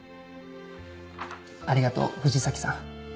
ありがとう藤崎さん。